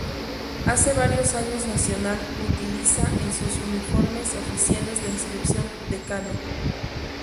Hace varios años Nacional utiliza en sus uniformes oficiales la inscripción "Decano".